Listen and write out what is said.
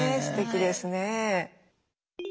すてきですね。